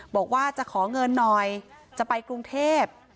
บอกว่าจะขอเงินหน่อยจะไปกรุงเทพ